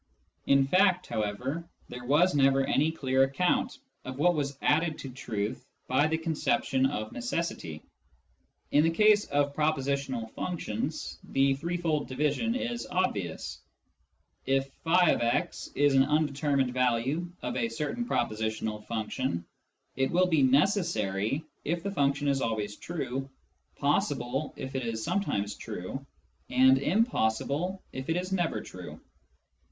In fact, however, there was never any clear account of what was added to truth by the conception of necessity. In the case of propositional functions, the three fold division is obvious. If " <f>x " is an undetermined value of a certain propositional function, it will be necessary if the function is always true, possible if it is sometimes true, and impossible if it is never true.